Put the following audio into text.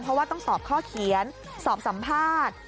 เพราะว่าต้องสอบข้อเขียนสอบสัมภาษณ์